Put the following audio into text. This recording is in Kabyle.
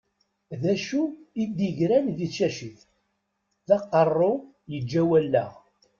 D acu i d-igran di tcacit? D aqerru yeǧǧa wallaɣ.